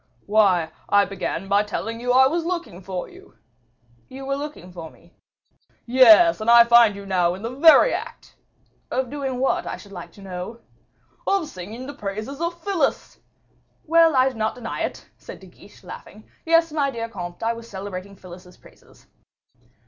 "Why, I began by telling you I was looking for you." "You were looking for me?" "Yes: and I find you now in the very act." "Of doing what, I should like to know?" "Of singing the praises of Phyllis." "Well, I do not deny it," said De Guiche, laughing. "Yes, my dear comte, I was celebrating Phyllis's praises."